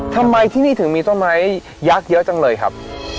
ทำไมที่นี่ถึงมีต้นไม้ยักษ์เยอะจังเลยครับ